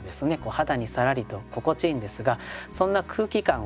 肌にさらりと心地いいんですがそんな空気感をですね